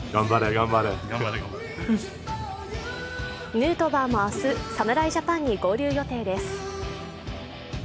ヌートバーも明日、侍ジャパンに合流予定です。